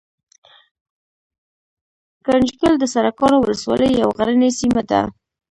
ګنجګل دسرکاڼو ولسوالۍ يو غرنۍ سيمه ده